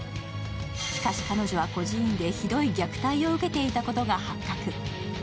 しかし、彼女は孤児院でひどい虐待を受けていたことが発覚。